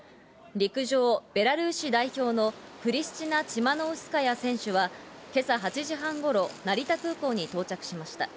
陸上ベラルーシ代表のクリスチナ・チマノウスカヤ選手は今朝８時半頃、成田空港に到着しました。